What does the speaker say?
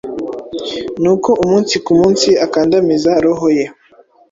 nuko umunsi ku munsi akandamiza roho ye: